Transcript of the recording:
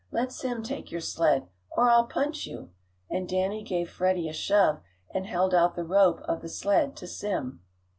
Let Sim take your sled, or I'll punch you!" and Danny gave Freddie a shove, and held out the rope of the sled to Sim.